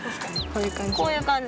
こういう感じ。